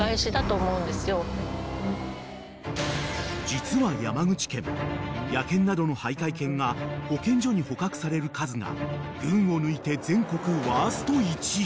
［実は山口県野犬などの徘徊犬が保健所に捕獲される数が群を抜いて全国ワースト１位］